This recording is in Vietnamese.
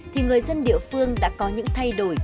thì người dân địa phương đã có những thay đổi